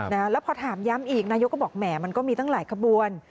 แล้วพอถามย้ำอีกนายกก็บอกแหมมันก็มีตั้งหลายขบวน